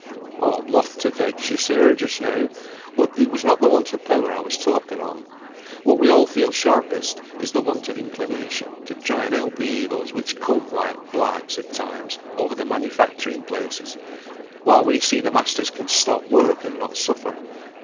"I'm loth to vex you, sir, just now; but it was not the want of power I was talking on; what we all feel sharpest is the want of inclination to try and help the evils which come like blights at times over the manufacturing places, while we see the masters can stop work and not suffer.